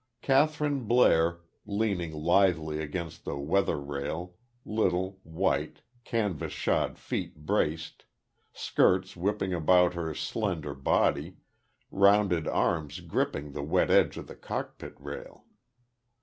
Kathryn Blair, leaned lithely against the weather rail, little, white canvas shod feet braced, skirts whipping about her slender body, rounded arms gripping the wet edge of the cockpit rail.